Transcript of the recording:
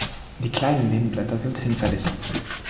Die kleinen Nebenblätter sind hinfällig.